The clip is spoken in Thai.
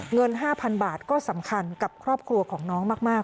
เงิน๕๐๐๐บาทก็สำคัญกับครอบครัวของน้องมาก